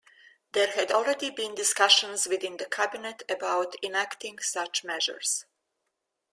There had already been discussions within the Cabinet about enacting such measures.